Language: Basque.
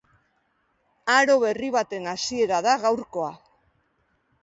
Aro berri baten hasiera da gaurkoa.